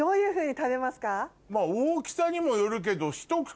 大きさにもよるけど。